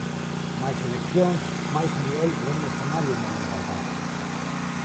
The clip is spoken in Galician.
Máis seleccións, máis nivel e un escenario moi importante.